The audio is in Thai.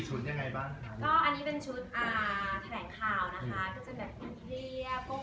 เจ้ามีกี่ชุดยังไงบ้าง